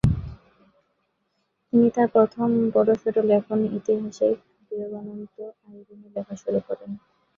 তিনি তার প্রথম বড়সড় লেখনী ঐতিহাসিক বিয়োগান্ত আইরিন লেখা শুরু করেন।